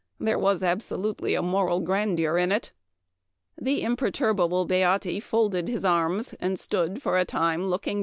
There was absolutely a moral grandeur in it. " The imperturbable Beatte folded his arms, ; for a time look .